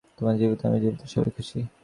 তোমরা জীবিত, আমি জীবিত, সবাই খুশি।